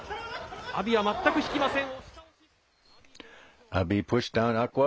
阿炎は全く引きません。